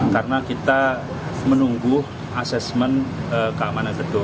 karena kita menunggu asesmen kamar